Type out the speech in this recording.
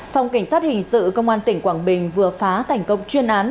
phòng cảnh sát hình sự công an tỉnh quảng bình vừa phá thành công chuyên án